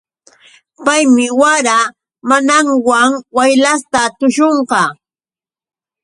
Paymi wara mamanwan waylasta tuśhunqa.